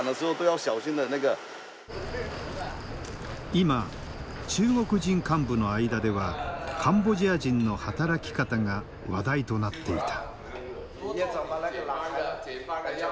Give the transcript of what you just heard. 今中国人幹部の間ではカンボジア人の働き方が話題となっていた。